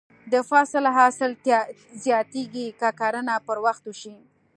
د فصل حاصل زیاتېږي که کرنه پر وخت وشي.